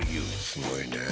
すごいね。